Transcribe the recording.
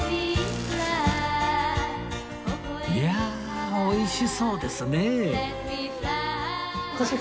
いや美味しそうですね！